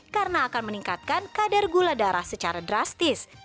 karena akan meningkatkan kadar gula darah secara drastis